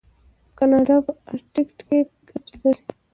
کاناډا په ارکټیک کې ګټې لري.